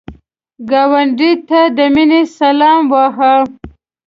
ګاونډي ته د مینې سلام وایه